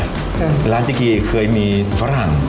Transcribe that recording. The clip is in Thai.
คือร้านจีโกีคือมีฝรั่ง